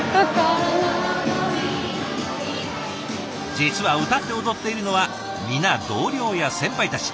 実は歌って踊っているのは皆同僚や先輩たち。